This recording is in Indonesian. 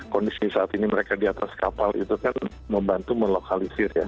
kondisi saat ini mereka di atas kapal itu kan membantu melokalisir ya